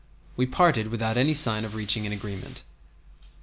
We parted without any sign of reaching an agreement.